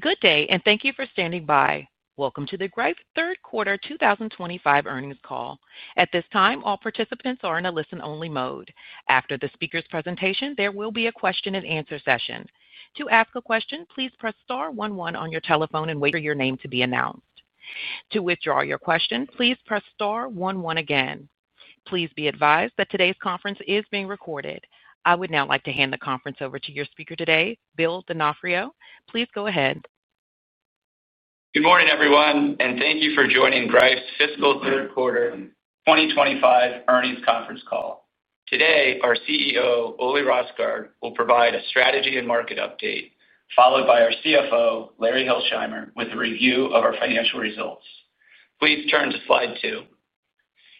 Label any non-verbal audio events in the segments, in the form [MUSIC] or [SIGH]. Good day, and thank you for standing by. Welcome to the Greif Third Quarter 2025 Earnings Call. At this time, all participants are in a listen-only mode. After the speaker's presentation, there will be a question and answer session. To ask a question, please press star one-one on your telephone and wait for your name to be announced. To withdraw your question, please press star one-one again. Please be advised that today's conference is being recorded. I would now like to hand the conference over to your speaker today, Bill D’Onofrio. Please go ahead. Good morning, everyone, and thank you for joining Greif's Fiscal Third Quarter 2025 Earnings Conference Call. Today, our CEO, Ole Rosgaard, will provide a strategy and market update, followed by our CFO, Larry Hilsheimer, with a review of our financial results. Please turn to slide two.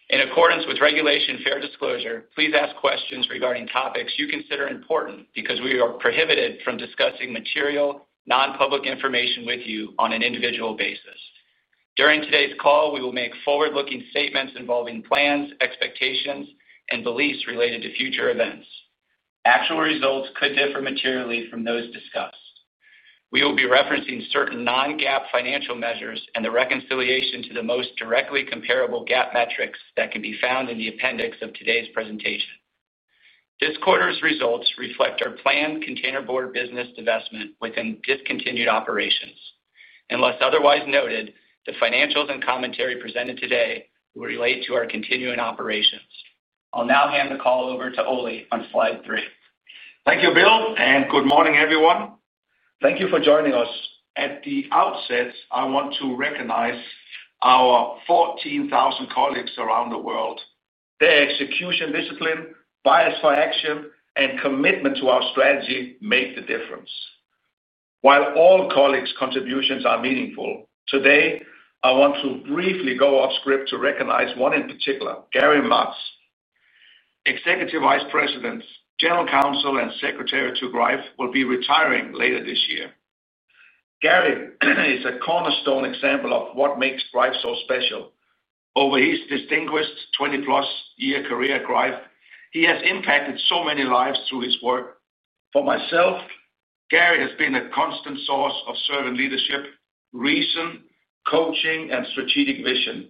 In accordance with Regulation Fair Disclosure, please ask questions regarding topics you consider important because we are prohibited from discussing material, non-public information with you on an individual basis. During today's call, we will make forward-looking statements involving plans, expectations, and beliefs related to future events. Actual results could differ materially from those discussed. We will be referencing certain non-GAAP financial measures and the reconciliation to the most directly comparable GAAP metrics that can be found in the appendix of today's presentation. This quarter's results reflect our planned containerboard business divestment within discontinued operations. Unless otherwise noted, the financials and commentary presented today will relate to our continuing operations. I'll now hand the call over to Ole on slide three. Thank you, Bill, and good morning, everyone. Thank you for joining us. At the outset, I want to recognize our 14,000 colleagues around the world. Their execution discipline, bias for action, and commitment to our strategy make the difference. While all colleagues' contributions are meaningful, today, I want to briefly go off script to recognize one in particular, Gary Matz. Executive Vice President, General Counsel, and Secretary to Greif will be retiring later this year. Gary is a cornerstone example of what makes Greif so special. Over his distinguished 20-plus-year career at Greif, he has impacted so many lives through his work. For myself, Gary has been a constant source of servant leadership, reason, coaching, and strategic vision.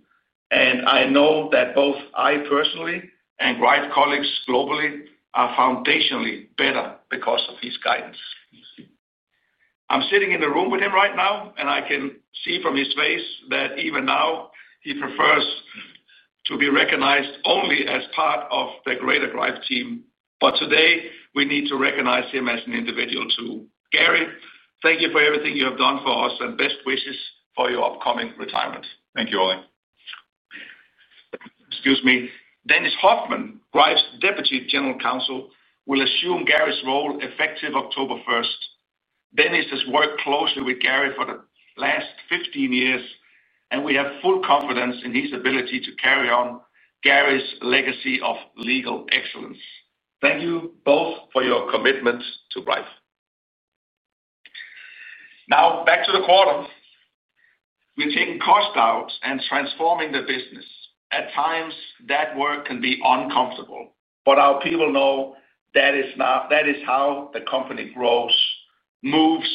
I know that both I personally and Greif colleagues globally are foundationally better because of his guidance. I'm sitting in the room with him right now, and I can see from his face that even now he prefers to be recognized only as part of the greater Greif team. Today, we need to recognize him as an individual too. Gary, thank you for everything you have done for us and best wishes for your upcoming retirement. Thank you, Ole. Excuse me. Dennis Hoffman, Greif's Deputy General Counsel, will assume Gary's role effective October 1. Dennis has worked closely with Gary for the last 15 years, and we have full confidence in his ability to carry on Gary's legacy of legal excellence. Thank you both for your commitment to Greif. Now, back to the quarter. We're taking cost out and transforming the business. At times, that work can be uncomfortable, but our people know that is how the company grows, moves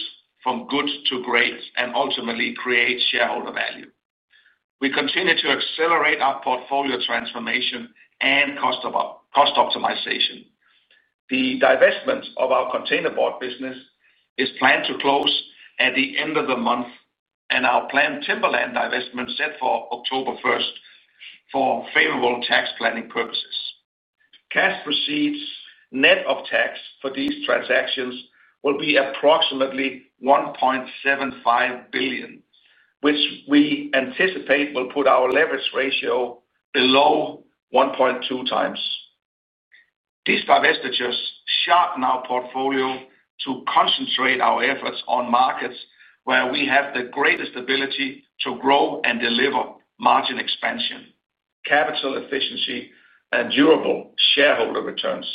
from good to great, and ultimately creates shareholder value. We continue to accelerate our portfolio transformation and cost optimization. The divestment of our containerboard business is planned to close at the end of the month, and our planned timberland divestment is set for October 1 for favorable tax planning purposes. Cash receipts net of tax for these transactions will be approximately $1.75 billion, which we anticipate will put our leverage ratio below 1.2x. These divestitures sharpen our portfolio to concentrate our efforts on markets where we have the greatest ability to grow and deliver margin expansion, capital efficiency, and durable shareholder returns.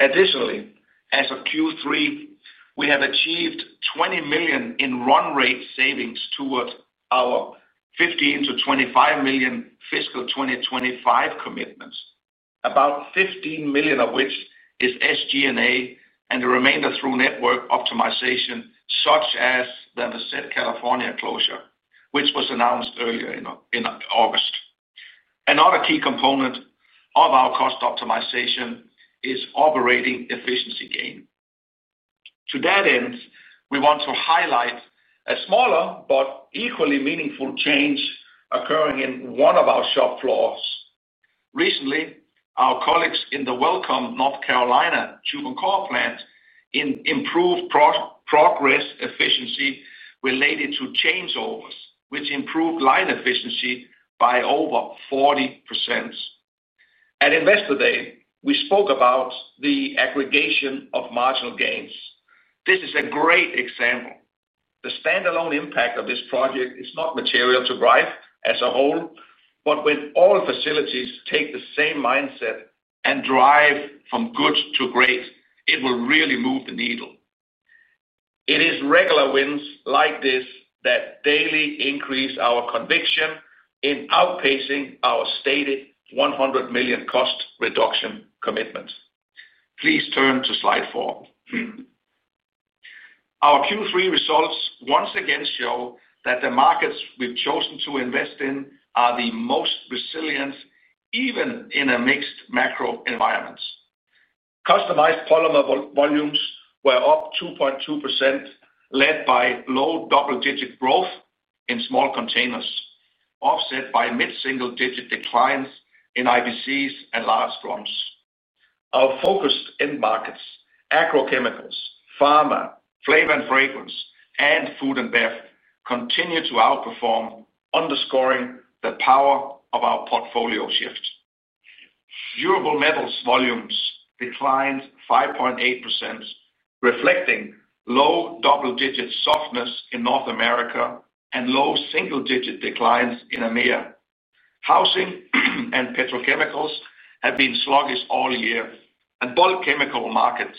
Additionally, as of Q3, we have achieved $20 million in run-rate savings towards our $15 million to $25 million fiscal 2025 commitments, about $15 million of which is SG&A and the remainder through network optimization, such as the Santa Clara, California closure, which was announced earlier in August. Another key component of our cost optimization is operating efficiency gain. To that end, we want to highlight a smaller but equally meaningful change occurring in one of our shop floors. Recently, our colleagues in the Welcome, North Carolina facility improved cross-race efficiency related to changeovers, which improved line efficiency by over 40%. At Investor Day, we spoke about the aggregation of marginal gains. This is a great example. The standalone impact of this project is not material to Greif as a whole, but when all facilities take the same mindset and drive from good to great, it will really move the needle. It is regular wins like this that daily increase our conviction in outpacing our stated $100 million cost reduction commitment. Please turn to slide four. Our Q3 results once again show that the markets we've chosen to invest in are the most resilient, even in a mixed macro environment. Customized polymer volumes were up 2.2%, led by low double-digit growth in small containers, offset by mid-single-digit declines in IBCs and large drawings. Our focused end markets, agrochemicals, pharma, flavor and fragrance, and food and bev continue to outperform, underscoring the power of our portfolio shift. Durable metals volumes declined 5.8%, reflecting low double-digit softness in North America and low single-digit declines in EMEA. Housing and petrochemicals have been sluggish all year, and bulk chemical markets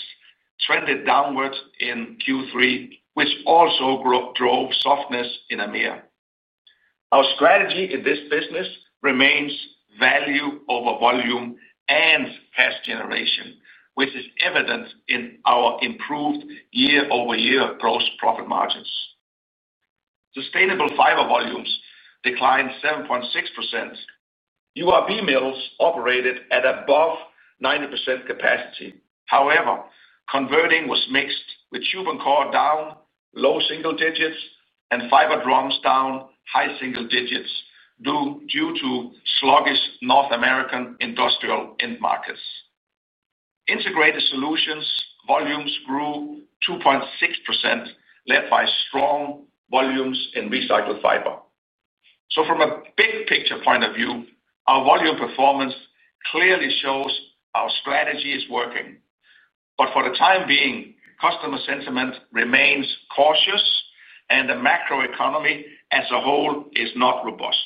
trended downward in Q3, which also drove softness in EMEA. Our strategy in this business remains value over volume and past generation, which is evident in our improved year-over-year gross profit margins. Sustainable fiber volumes declined 7.6%. URB mills operated at above 90% capacity. However, converting was mixed with tube and core down low single digits and fiber drums down high single digits due to sluggish North American industrial end markets. Integrated solutions volumes grew 2.6%, led by strong volumes in recycled fiber. From a big-picture point of view, our volume performance clearly shows our strategy is working. For the time being, customer sentiment remains cautious, and the macroeconomy as a whole is not robust.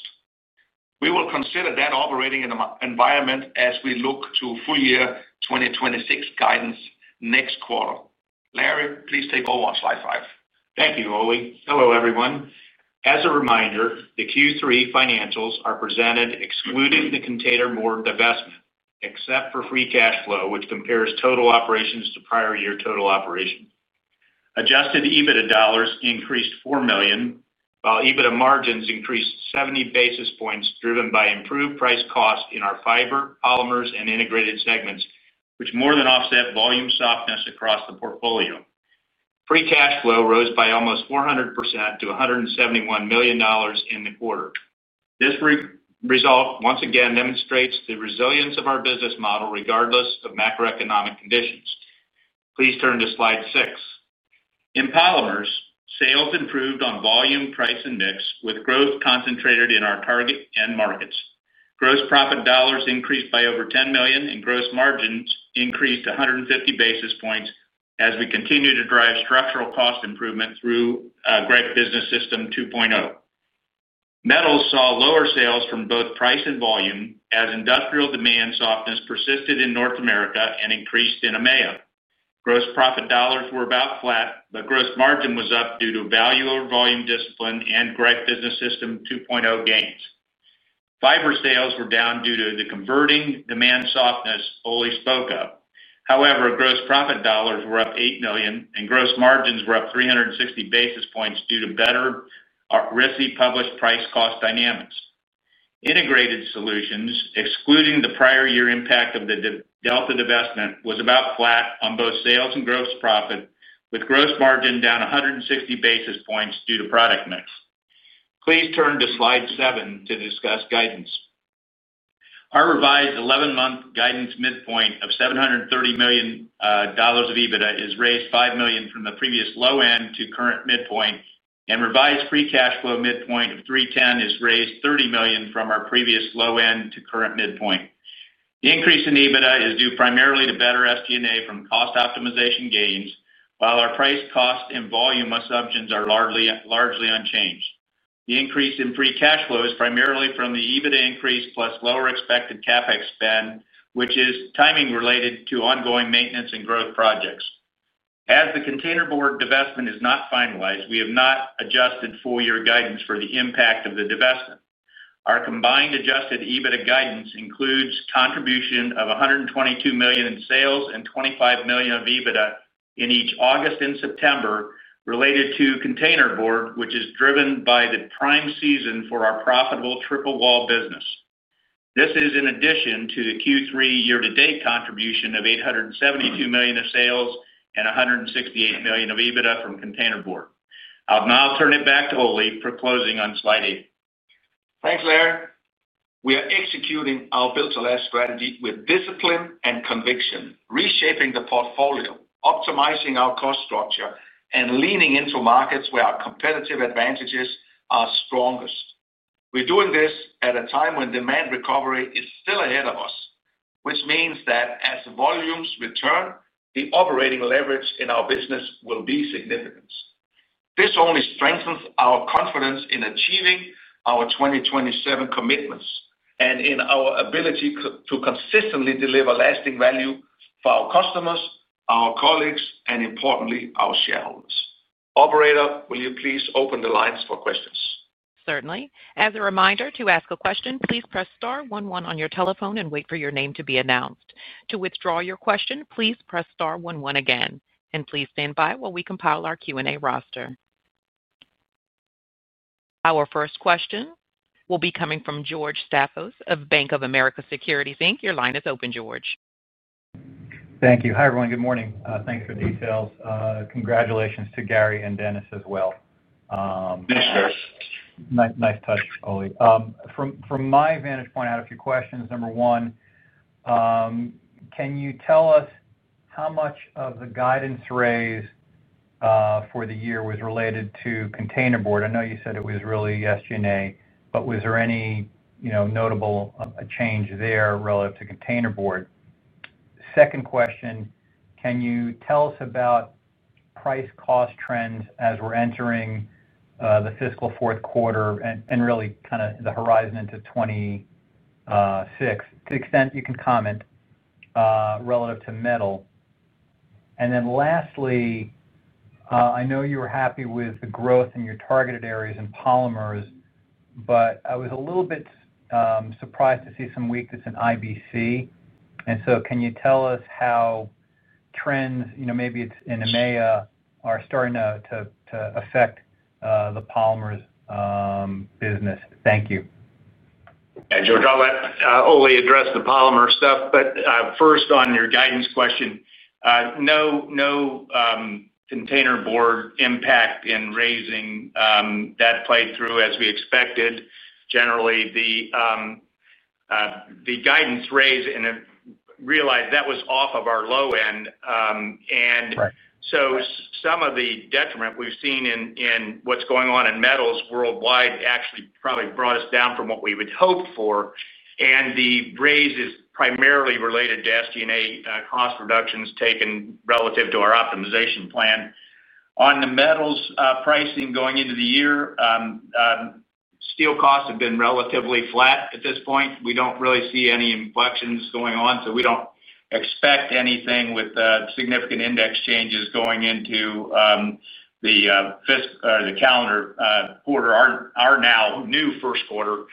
We will consider that operating in an environment as we look to full-year 2026 guidance next quarter. Larry, please take over on slide five. Thank you, Ole. Hello, everyone. As a reminder, the Q3 financials are presented excluding the containerboard divestment, except for free cash flow, which compares total operations to prior year total operations. Adjusted EBITDA dollars increased $4 million, while EBITDA margins increased 70 basis points, driven by improved price cost in our fiber, polymers, and integrated segments, which more than offset volume softness across the portfolio. Free cash flow rose by almost 400% to $171 million in the quarter. This result once again demonstrates the resilience of our business model regardless of macroeconomic conditions. Please turn to slide six. In polymers, sales improved on volume price index, with growth concentrated in our target end markets. Gross profit dollars increased by over $10 million, and gross margins increased 150 basis points as we continue to drive structural cost improvement through Greif Business System 2.0. Metals saw lower sales from both price and volume, as industrial demand softness persisted in North America and increased in EMEA. Gross profit dollars were about flat, but gross margin was up due to value over volume discipline and Greif Business System 2.0 gains. Fiber sales were down due to the converting demand softness Ole spoke of. However, gross profit dollars were up $8 million, and gross margins were up 360 basis points due to better RISI-published price cost dynamics. Integrated solutions, excluding the prior year impact of the delta divestment, was about flat on both sales and gross profit, with gross margin down 160 basis points due to product mix. Please turn to slide seven to discuss guidance. Our revised 11-month guidance midpoint of $730 million of EBITDA is raised $5 million from the previous low end to current midpoint, and revised free cash flow midpoint of $310 million is raised $30 million from our previous low end to current midpoint. The increase in EBITDA is due primarily to better SG&A from cost optimization gains, while our price cost and volume assumptions are largely unchanged. The increase in free cash flow is primarily from the EBITDA increase plus lower expected CapEx spend, which is timing related to ongoing maintenance and growth projects. As the containerboard divestment is not finalized, we have not adjusted full-year guidance for the impact of the divestment. Our combined adjusted EBITDA guidance includes contribution of $122 million in sales and $25 million of EBITDA in each August and September related to containerboard, which is driven by the prime season for our profitable triple-wall business. This is in addition to the Q3 year-to-date contribution of $872 million of sales and $168 million of EBITDA from containerboard. I'll now turn it back to Ole for closing on slide eight. Thanks, Larry. We are executing our built-to-large strategy with discipline and conviction, reshaping the portfolio, optimizing our cost structure, and leaning into markets where our competitive advantages are strongest. We're doing this at a time when demand recovery is still ahead of us, which means that as volumes return, the operating leverage in our business will be significant. This only strengthens our confidence in achieving our 2027 commitments and in our ability to consistently deliver lasting value for our customers, our colleagues, and importantly, our shareholders. Operator, will you please open the lines for questions? Certainly. As a reminder, to ask a question, please press star one-one on your telephone and wait for your name to be announced. To withdraw your question, please press star one-one again. Please stand by while we compile our Q&A roster. Our first question will be coming from George Staphos of Bank of America Securities Inc. Your line is open, George. Thank you. Hi, everyone. Good morning. Thanks for the details. Congratulations to Gary and Dennis as well. Nice touch, Ole. From my vantage point, I have a few questions. Number one, can you tell us how much of the guidance raised for the year was related to containerboard? I know you said it was really SG&A, but was there any notable change there relative to containerboard? Second question, can you tell us about price cost trends as we're entering the fiscal fourth quarter and really kind of the horizon into 2026 to the extent you can comment relative to metals? Lastly, I know you were happy with the growth in your targeted areas in polymers, but I was a little bit surprised to see some weakness in IBC. Can you tell us how trends, maybe it's in EMEA, are starting to affect the polymers business? Thank you. Yeah, George, I'll let Ole address the polymer stuff. First on your guidance question, no containerboard impact in raising that played through as we expected. Generally, the guidance raised and I realized that was off of our low end. Some of the detriment we've seen in what's going on in metals worldwide actually probably brought us down from what we would hope for. The raise is primarily related to SG&A cost reductions taken relative to our optimization plan. On the metals pricing going into the year, steel costs have been relatively flat at this point. We don't really see any inflections going on, so we don't expect anything with significant index changes going into the fifth or the calendar quarter or now new first quarter.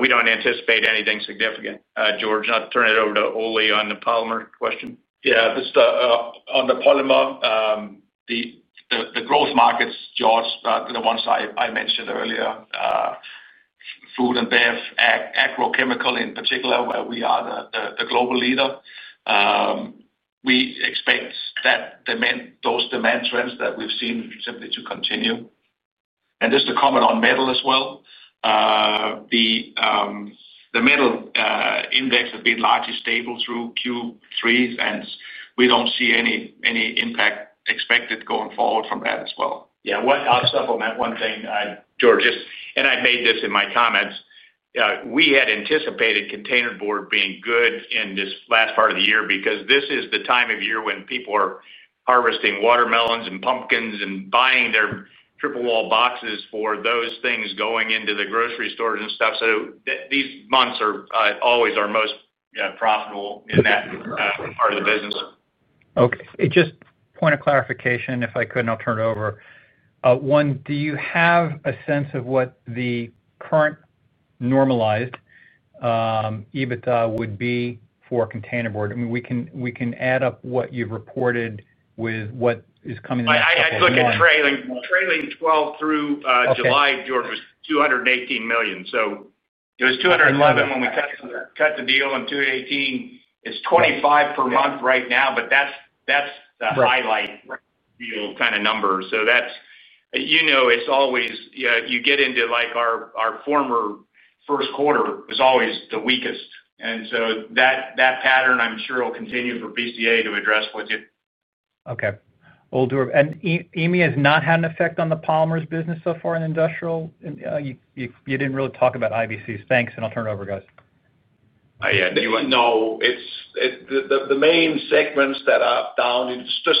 We don't anticipate anything significant. George, I'll turn it over to Ole on the polymer question. Yeah, just on the polymers, the growth markets, George, the ones I mentioned earlier, food and bev, agrochemical in particular, where we are the global leader. We expect those demand trends that we've seen simply to continue. Just to comment on metals as well, the metal index has been largely stable through Q3s, and we don't see any impact expected going forward from that as well. Yeah, I'll supplement one thing, George, and I made this in my comments. We had anticipated containerboard being good in this last part of the year because this is the time of year when people are harvesting watermelons and pumpkins and buying their triple-wall boxes for those things going into the grocery stores and stuff. These months are always our most profitable in that part of the business. Okay, just a point of clarification, if I could, and I'll turn it over. One, do you have a sense of what the current normalized EBITDA would be for containerboard? I mean, we can add up what you've reported with what is coming in the next month. [CROSSTALK] I had to look at trailing 12 through July, George, was $218 million. It was $211 million when we cut the deal on $218 million. It's $25 million per month right now, but that's the highlight deal kind of numbers. It's always, you get into like our former first quarter was always the weakest. That pattern, I'm sure, will continue for PCA to address budget. Okay. Ole, do it. EMEA has not had an effect on the polymers business so far in industrial. You didn't really talk about IBCs. Thanks. I'll turn it over, guys. Yeah, it's the main segments that are down. Just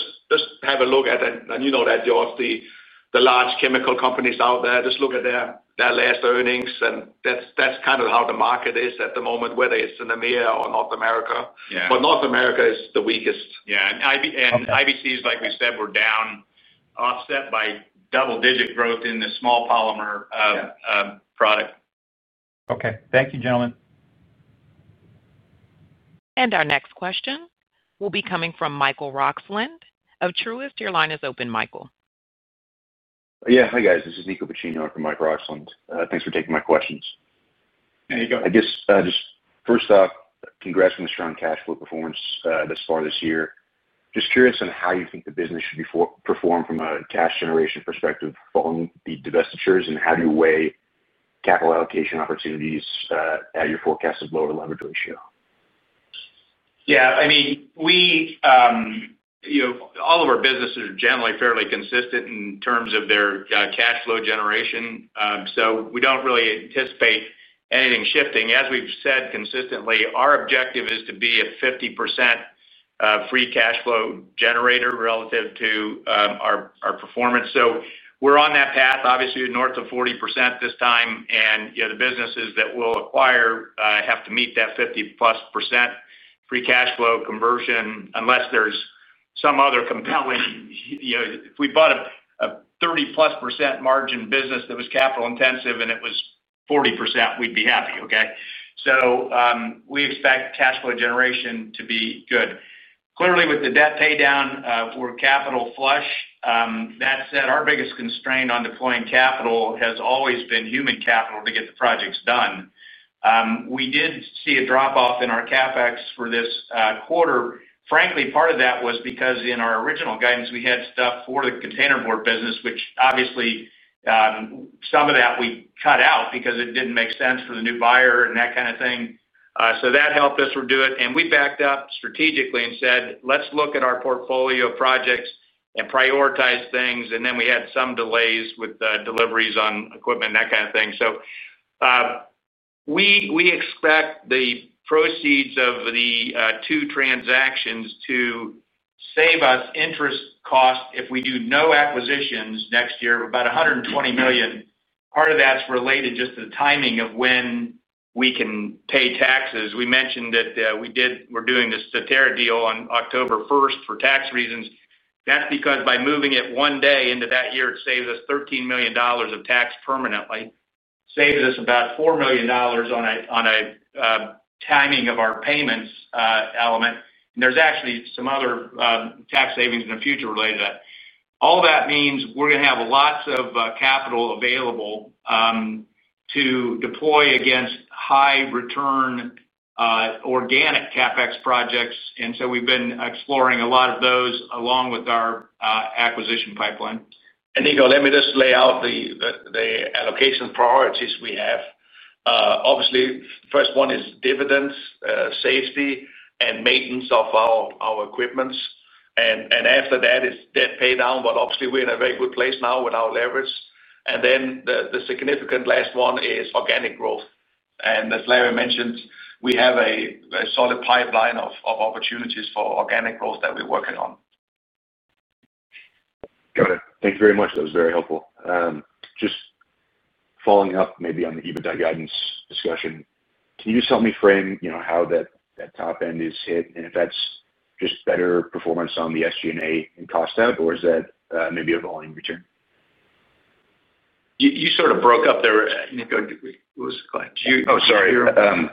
have a look at, and you know that, George, the large chemical companies out there, just look at their last earnings, and that's kind of how the market is at the moment, whether it's in EMEA or North America. North America is the weakest. Yeah, and IBCs, like we said, were down, offset by double-digit growth in the small polymer product. Okay. Thank you, gentlemen. Our next question will be coming from Michael Roxland of Truist. Your line is open, Michael. Yeah, hi guys, this is Nicco Piccini from Michael Roxland. Thanks for taking my questions. There you go. Just first off, congrats on the strong cash flow performance thus far this year. Just curious on how you think the business should perform from a cash generation perspective following the divestitures, and how do you weigh capital allocation opportunities at your forecast of lower leverage ratio? Yeah, I mean, all of our businesses are generally fairly consistent in terms of their cash flow generation. We don't really anticipate anything shifting. As we've said consistently, our objective is to be a 50% free cash flow generator relative to our performance. We're on that path, obviously north of 40% this time. The businesses that we'll acquire have to meet that +50% free cash flow conversion unless there's some other compelling, you know, if we bought a +30% margin business that was capital intensive and it was 40%, we'd be happy, okay? We expect cash flow generation to be good. Clearly, with the debt paydown, we're capital flush. That said, our biggest constraint on deploying capital has always been human capital to get the projects done. We did see a drop-off in our CapEx for this quarter. Frankly, part of that was because in our original guidance, we had stuff for the containerboard business, which obviously, some of that we cut out because it didn't make sense for the new buyer and that kind of thing. That helped us redo it. We backed up strategically and said, let's look at our portfolio projects and prioritize things. We had some delays with deliveries on equipment and that kind of thing. We expect the proceeds of the two transactions to save us interest cost if we do no acquisitions next year of about $120 million. Part of that's related just to the timing of when we can pay taxes. We mentioned that we're doing the Soterra deal on October 1 for tax reasons. That's because by moving it one day into that year, it saves us $13 million of tax permanently, saves us about $4 million on a timing of our payments element. There's actually some other tax savings in the future related to that. All that means we're going to have lots of capital available to deploy against high return organic CapEx projects. We've been exploring a lot of those along with our acquisition pipeline. Nicco, let me just lay out the allocation priorities we have. Obviously, the first one is dividends, safety, and maintenance of our equipment. After that is debt paydown. Obviously, we're in a very good place now with our leverage. The significant last one is organic growth. As Larry mentioned, we have a solid pipeline of opportunities for organic growth that we're working on. Got it. Thank you very much. That was very helpful. Just following up maybe on the EBITDA guidance discussion, can you just help me frame how that top end is hit and if that's just better performance on the SG&A and cost tab, or is that maybe a volume return? You sort of broke up there, Nicco. What was the question? Sorry,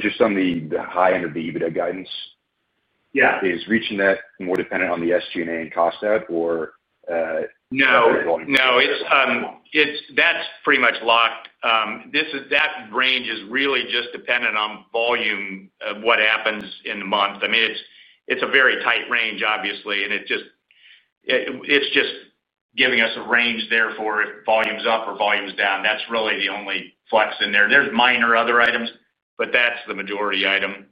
just on the high end of the EBITDA guidance. Yeah. Is reaching that more dependent on the SG&A and cost tab, or? No, it's pretty much locked. That range is really just dependent on volume of what happens in the month. I mean, it's a very tight range, obviously, and it's just giving us a range there for if volume's up or volume's down. That's really the only flux in there. There are minor other items, but that's the majority item.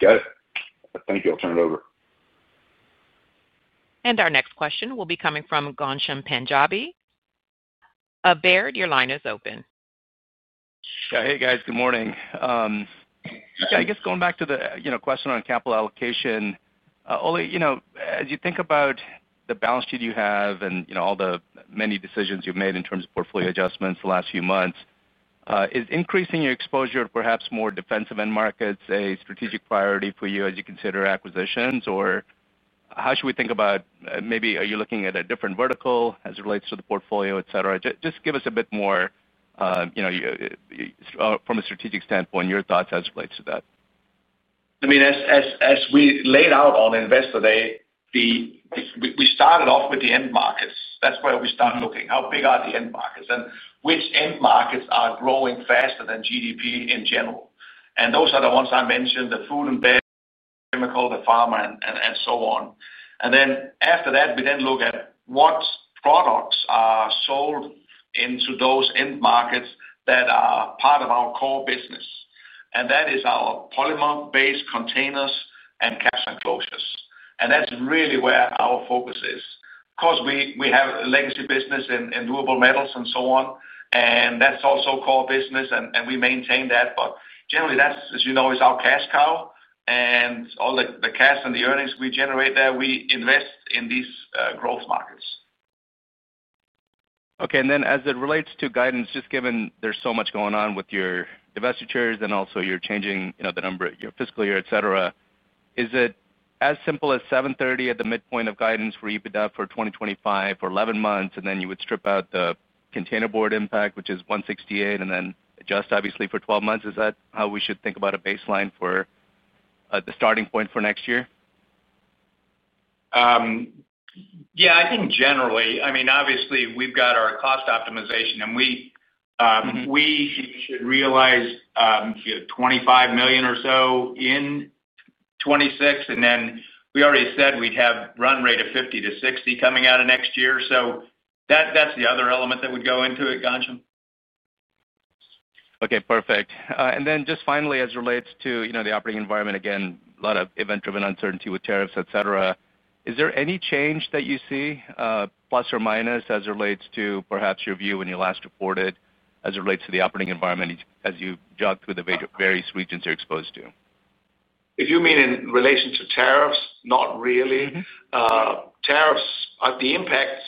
Got it. Thank you. I'll turn it over. Our next question will be coming from Ghansham Panjabi of Baird, your line is open. Yeah, hey guys, good morning. I guess going back to the question on capital allocation, Ole, as you think about the balance sheet you have and all the many decisions you've made in terms of portfolio adjustments the last few months, is increasing your exposure to perhaps more defensive end markets a strategic priority for you as you consider acquisitions, or how should we think about maybe are you looking at a different vertical as it relates to the portfolio, et cetera? Just give us a bit more from a strategic standpoint, your thoughts as it relates to that. I mean, as we laid out on Investor Day, we started off with the end markets. That's where we start looking. How big are the end markets? Which end markets are growing faster than GDP in general? Those are the ones I mentioned, the food and bev, chemical, the pharma, and so on. After that, we then look at what products are sold into those end markets that are part of our core business. That is our polymer-based containers and caps and closures. That's really where our focus is, because we have a legacy business in durable metals and so on. That's also core business, and we maintain that. Generally, that, as you know, is our cash cow. All the cash and the earnings we generate there, we invest in these growth markets. Okay, as it relates to guidance, just given there's so much going on with your divestitures and also you're changing the number of your fiscal year, et cetera, is it as simple as $730 million at the midpoint of guidance for EBITDA for 2025 for 11 months and then you would strip out the containerboard impact, which is $168 million, and then adjust obviously for 12 months? Is that how we should think about a baseline for the starting point for next year? Yeah, I think generally, I mean, obviously we've got our cost optimization, and we should realize $25 million or so in 2026. We already said we'd have run rate of $50 million to $60 million coming out of next year. That's the other element that would go into it, Ghansham. Okay, perfect. Finally, as it relates to the operating environment, again, a lot of event-driven uncertainty with tariffs, etc. Is there any change that you see, plus or minus, as it relates to perhaps your view when you last reported as it relates to the operating environment as you jog through the various regions you're exposed to? If you mean in relation to tariffs, not really. The impacts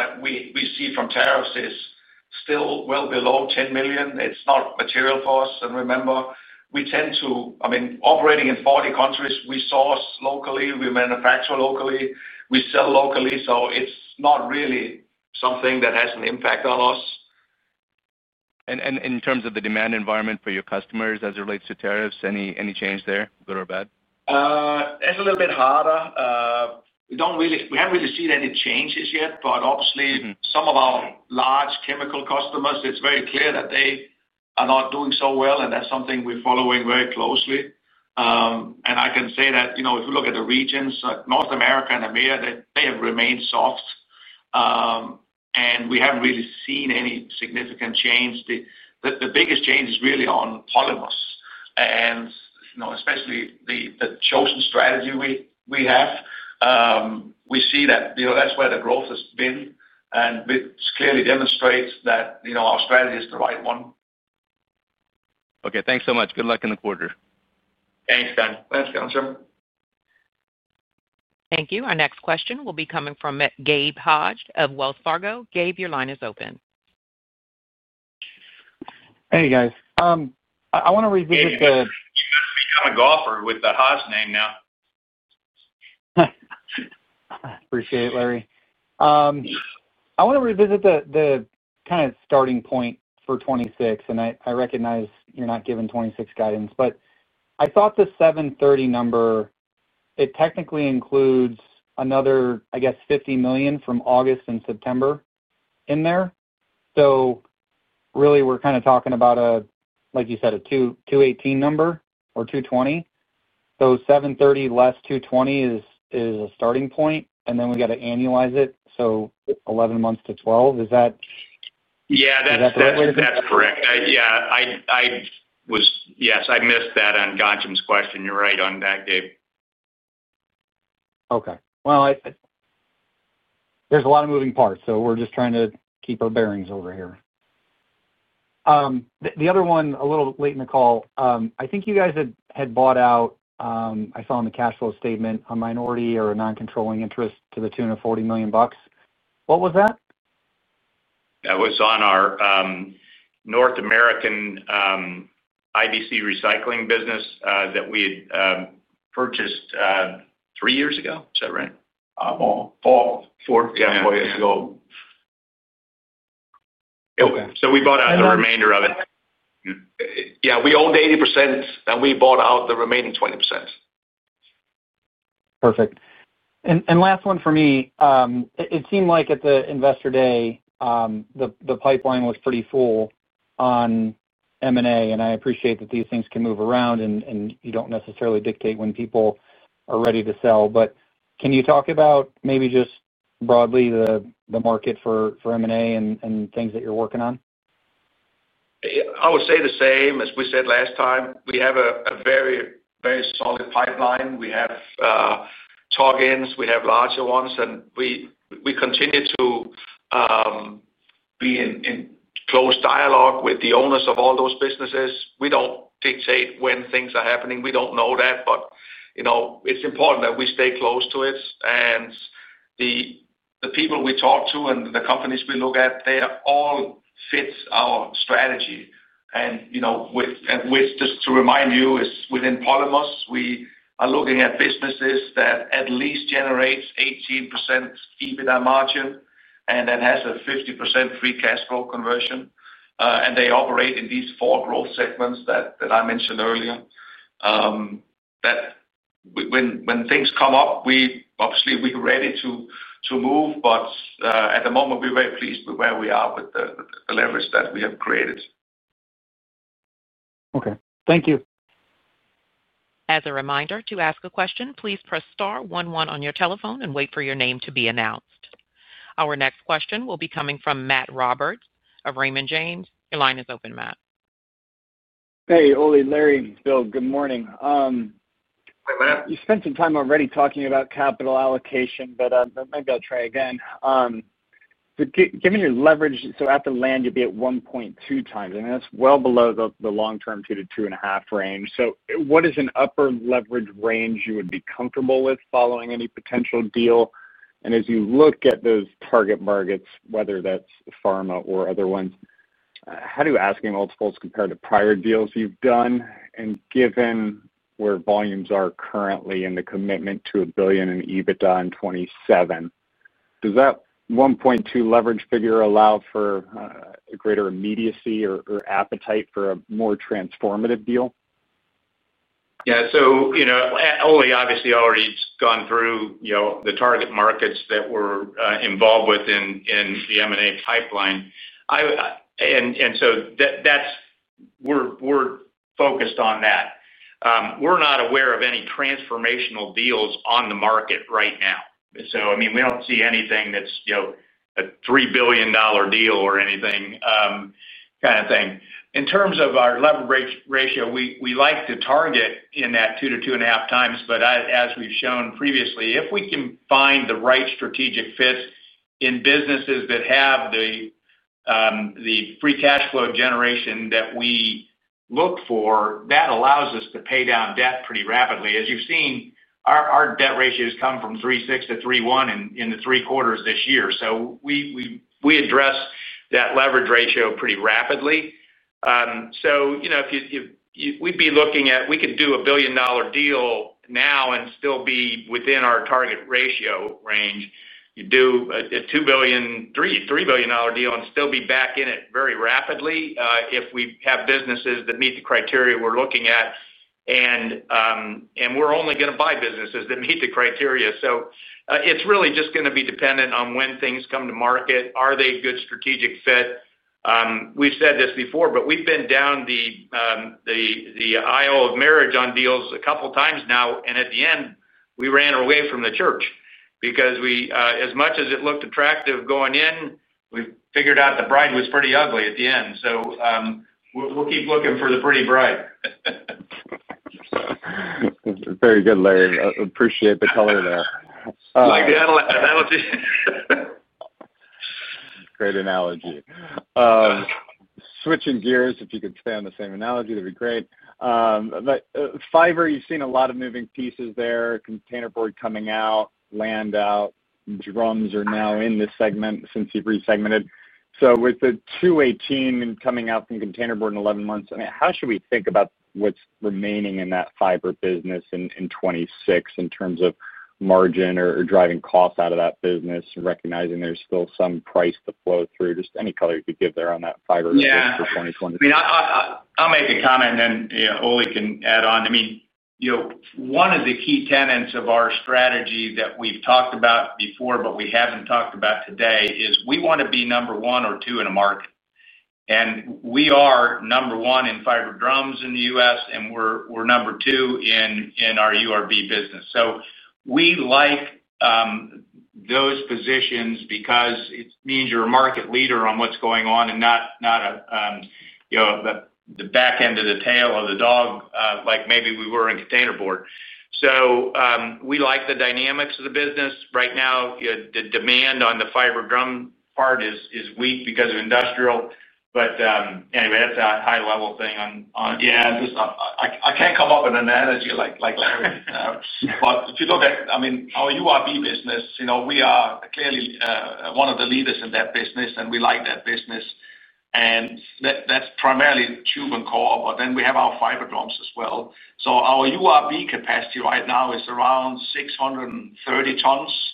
that we see from tariffs are still well below $10 million. It's not material for us. Remember, we tend to, I mean, operating in 40 countries. We source locally, we manufacture locally, we sell locally. It's not really something that has an impact on us. In terms of the demand environment for your customers as it relates to tariffs, any change there, good or bad? It's a little bit harder. We don't really, we haven't really seen any changes yet, but obviously some of our large chemical customers, it's very clear that they are not doing so well, and that's something we're following very closely. I can say that, you know, if we look at the regions, North America and EMEA, they have remained soft, and we haven't really seen any significant change. The biggest change is really on polymers, and especially the chosen strategy we have, we see that, you know, that's where the growth has been. It clearly demonstrates that, you know, our strategy is the right one. Okay, thanks so much. Good luck in the quarter. Thanks, [Ghan]. Thanks, Ghansham. Thank you. Our next question will be coming from Gabe Hajde of Wells Fargo. Gabe, your line is open. Hey guys. [CROSSTALK] You're becoming a golfer with the Hodge name now. Appreciate it, Larry. I want to revisit the kind of starting point for 2026, and I recognize you're not giving 2026 guidance, but I thought the $730 million number, it technically includes another, I guess, $50 million from August and September in there. Really, we're kind of talking about a, like you said, a $218 million number or $220 million. $730 million less $220 million is a starting point, and then we've got to annualize it. 11 months to 12, is that? Yeah, that's correct. I missed that on Ghansham's question. You're right on that, Gabe. Okay. There are a lot of moving parts, so we're just trying to keep our bearings over here. The other one, a little late in the call, I think you guys had bought out, I saw in the cash flow statement, a minority or a non-controlling interest to the tune of $40 million. What was that? That was on our North American IBC recycling business that we had purchased three years ago. Is that right? Oh, four years ago. We bought out the remainder of -- yeah, we owned 80% and we bought out the remaining 20%. Perfect. Last one for me, it seemed like at the Investor Day, the pipeline was pretty full on M&A, and I appreciate that these things can move around and you don't necessarily dictate when people are ready to sell. Can you talk about maybe just broadly the market for M&A and things that you're working on? I would say the same as we said last time. We have a very, very solid pipeline. We have talk-ins, we have larger ones, and we continue to be in close dialogue with the owners of all those businesses. We don't dictate when things are happening. We don't know that, but it's important that we stay close to it. The people we talk to and the companies we look at all fit our strategy. Just to remind you, it's within polymers, we are looking at businesses that at least generate 18% EBITDA margin and then have a 50% free cash flow conversion. They operate in these four growth segments that I mentioned earlier. When things come up, we obviously are ready to move, but at the moment, we're very pleased with where we are with the leverage that we have created. Okay, thank you. As a reminder, to ask a question, please press star one-one on your telephone and wait for your name to be announced. Our next question will be coming from Matt Roberts of Raymond James. Your line is open, Matt. Hey, Ole, Larry, Bill, good morning. You spent some time already talking about capital allocation, but maybe I'll try again. Given your leverage, at the land, you'd be at 1.2x. I mean, that's well below the long-term 2x to 2.5x. What is an upper leverage range you would be comfortable with following any potential deal? As you look at those target markets, whether that's pharma or other ones, how do asking multiples compare to prior deals you've done? Given where volumes are currently and the commitment to a billion in EBITDA in 2027, does that 1.2x figure allow for a greater immediacy or appetite for a more transformative deal? Yeah, Ole obviously already has gone through the target markets that we're involved with in the M&A pipeline. That's where we're focused on that. We're not aware of any transformational deals on the market right now. We don't see anything that's a $3 billion deal or anything like that. In terms of our leverage ratio, we like to target in that 2x to 2.5x, but as we've shown previously, if we can find the right strategic fits in businesses that have the free cash flow generation that we look for, that allows us to pay down debt pretty rapidly. As you've seen, our debt ratios come from 3.6x to 3.1x in the three quarters this year. We address that leverage ratio pretty rapidly. If we'd be looking at it, we could do a $1 billion deal now and still be within our target ratio range. You do a $2 billion, $3 billion deal and still be back in it very rapidly if we have businesses that meet the criteria we're looking at. We're only going to buy businesses that meet the criteria. It's really just going to be dependent on when things come to market. Are they a good strategic fit? We've said this before, but we've been down the aisle of marriage on deals a couple of times now. At the end, we ran away from the church because, as much as it looked attractive going in, we figured out the bride was pretty ugly at the end. We'll keep looking for the pretty bride. Very good, Larry. Appreciate the color there. I like the analogy. Great analogy. Switching gears, if you could stay on the same analogy, that'd be great. Fiber, you've seen a lot of moving pieces there. Containerboard coming out, land out, drums are now in this segment since you've re segmented. With the $218 million coming out from containerboard in 11 months, how should we think about what's remaining in that fiber business in 2026 in terms of margin or driving cost out of that business, recognizing there's still some price to flow through? Any color you could give there on that fiber for 2026. Yeah, I mean, I'll make a comment and then Ole can add on. One of the key tenets of our strategy that we've talked about before, but we haven't talked about today, is we want to be number one or two in a market. We are number one in fiber drums in the U.S., and we're number two in our URB business. We like those positions because it means you're a market leader on what's going on and not the back end of the tail of the dog like maybe we were in containerboard. We like the dynamics of the business. Right now, the demand on the fiber drum part is weak because of industrial. Anyway, that's a high-level thing on. Yeah, I can come up with an analogy like Larry. If you look at our URB business, we are clearly one of the leaders in that business, and we like that business. That's primarily tube and core, but then we have our fiber drums as well. Our URB capacity right now is around 630 tons.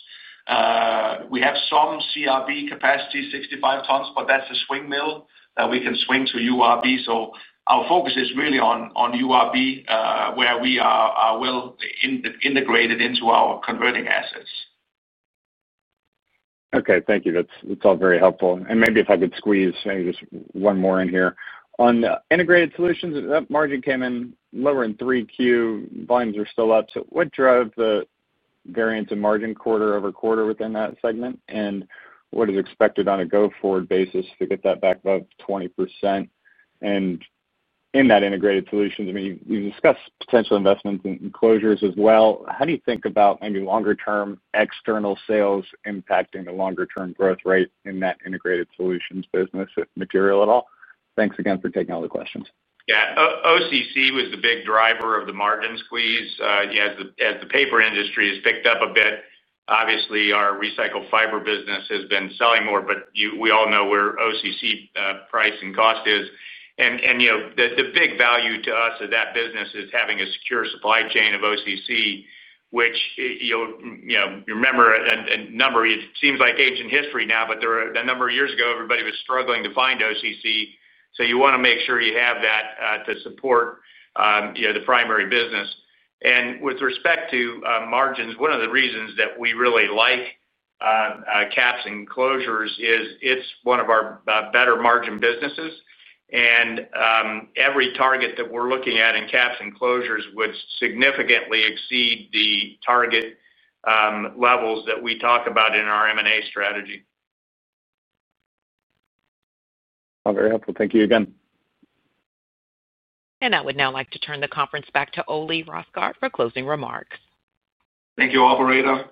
We have some CRB capacity, 65 tons, but that's a swing mill that we can swing to URB. Our focus is really on URB where we are well integrated into our converting assets. Okay, thank you. That's all very helpful. Maybe if I could squeeze just one more in here. On the integrated solutions, margin came in lower in 3Q, volumes are still up. What drove the variance in margin quarter over quarter within that segment? What is expected on a go-forward basis to get that back above 20%? In that integrated solutions, I mean, you've discussed potential investments in closures as well. How do you think about maybe longer-term external sales impacting the longer-term growth rate in that integrated solutions business, if material at all? Thanks again for taking all the questions. Yeah, OCC was the big driver of the margin squeeze. As the paper industry has picked up a bit, obviously our recycled fiber business has been selling more, but we all know where OCC price and cost is. The big value to us of that business is having a secure supply chain of OCC, which you'll remember a number. It seems like ancient history now, but a number of years ago, everybody was struggling to find OCC. You want to make sure you have that to support the primary business. With respect to margins, one of the reasons that we really like caps and closures is it's one of our better margin businesses. Every target that we're looking at in caps and closures would significantly exceed the target levels that we talk about in our M&A strategy. All very helpful. Thank you again. I would now like to turn the conference back to Ole Rosgaard for closing remarks. Thank you, operator.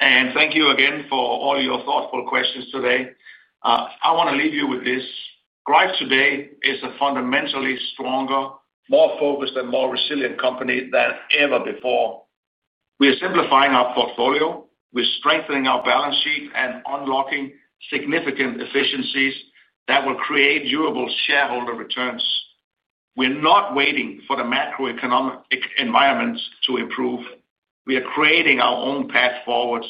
Thank you again for all your thoughtful questions today. I want to leave you with this. Greif today is a fundamentally stronger, more focused, and more resilient company than ever before. We are simplifying our portfolio, strengthening our balance sheet, and unlocking significant efficiencies that will create durable shareholder returns. We are not waiting for the macroeconomic environments to improve. We are creating our own path forward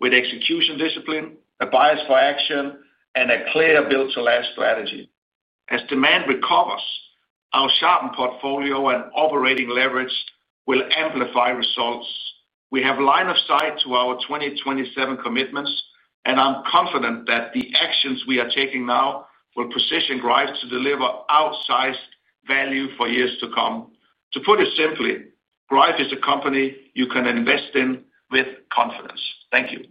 with execution discipline, a bias for action, and a clear build-to-large strategy. As demand recovers, our sharpened portfolio and operating leverage will amplify results. We have line of sight to our 2027 commitments, and I'm confident that the actions we are taking now will position Greif to deliver outsized value for years to come. To put it simply, Greif is a company you can invest in with confidence. Thank you.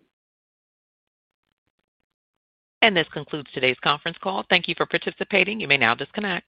This concludes today's conference call. Thank you for participating. You may now disconnect.